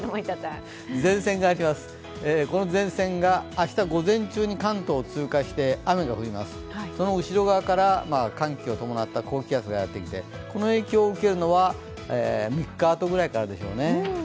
前線が明日、午前中に関東を通過してその後ろ側から寒気を伴った高気圧がやってきて、この影響を受けるのは３日後くらいからでしょうね。